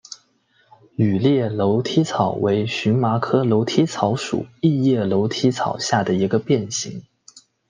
羽裂楼梯草为荨麻科楼梯草属异叶楼梯草下的一个变型。